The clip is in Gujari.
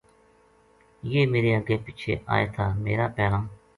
یہ میرے اَگے پِچھے آئے تھا میرا پیراں